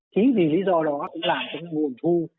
chính vì lý do đó cũng làm cho cái nguồn thu